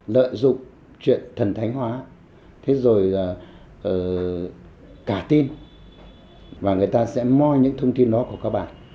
lợi dụng chuyện thần thánh hóa thế rồi cả tin và người ta sẽ mò những thông tin đó của các bạn